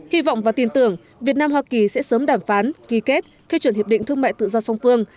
hy vọng và tin tưởng việt nam hoa kỳ sẽ sớm đàm phán ký kết phê chuẩn hiệp định thương mại tự do song phương